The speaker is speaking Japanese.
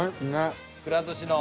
「くら寿司」の。